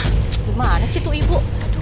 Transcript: gimana sih itu ibu